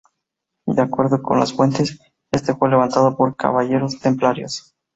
De acuerdo con las fuentes, este fue levantado por caballeros templarios.